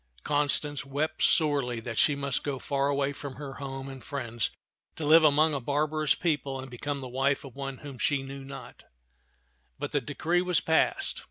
Constance wept sorely that she must go far away from her home and friends to live among a barbarous people and become the wife of one whom she knew not; but the decree was passed.